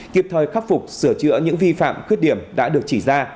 kịp thời khắc phục sửa chữa những vi phạm khuyết điểm đã được chỉ ra